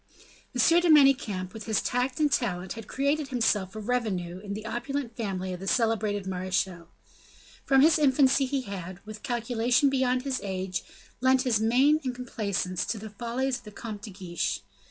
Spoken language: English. M. de Manicamp, with his tact and talent had created himself a revenue in the opulent family of the celebrated marechal. From his infancy he had, with calculation beyond his age, lent his mane and complaisance to the follies of the Comte de Guiche.